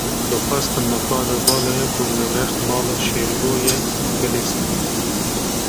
Dixwastin li qada vala ya ku li rex mala Şêrgo ye, bilîzin.